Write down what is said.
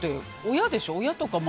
親でしょ、親とか。